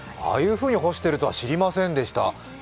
ああいうふうに干しているとは知りませんでした。